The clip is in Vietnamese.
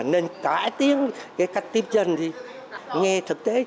nên cải tiến cái cách tiếp chân thì nghe thực tế